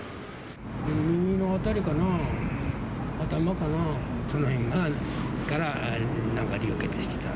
耳の辺りかな、頭かな、その辺からなんか流血してた。